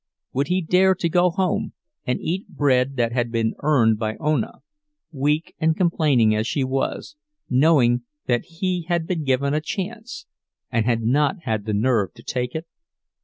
Would he dare to go home and eat bread that had been earned by Ona, weak and complaining as she was, knowing that he had been given a chance, and had not had the nerve to take it?